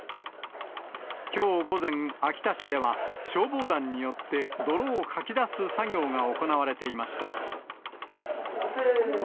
きょう午前、秋田市では、消防団によって泥をかき出す作業が行われていました。